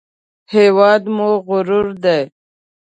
هېواد مو غرور دی